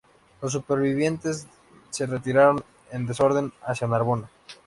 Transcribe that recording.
Los supervivientes se retiraron en desorden hacia Narbona.